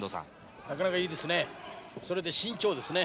なかなかいいですね。